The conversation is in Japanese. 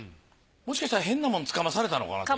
もしかしたら変なモンつかまされたのかなって。